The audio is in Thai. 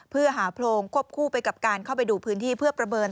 เพื่อหาโพรงควบคู่ไปกับการเข้าไปดูพื้นที่เพื่อประเมิน